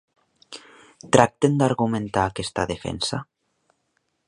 Tracten d'argumentar aquesta defensa?